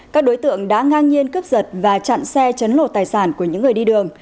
các đối tượng đã ngang nhiên cướp giật và chặn xe chấn lột tài sản của những người đi đường